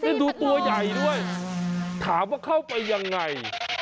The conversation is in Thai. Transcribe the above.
แล้วดูตัวใหญ่ด้วยถามว่าเข้าไปยังไง